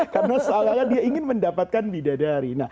karena seolah olah dia ingin mendapatkan bidadari